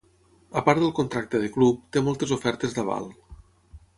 A part del contracte de club, té moltes ofertes d'aval.